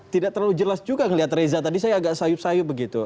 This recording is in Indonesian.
tidak terlalu jelas juga melihat reza tadi saya agak sayup sayup begitu